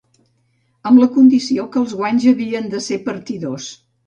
Amb la condició que els guanys havien d'ésser partidors.